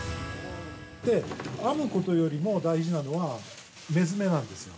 ◆編むことよりも大事なのは目詰めなんですよ。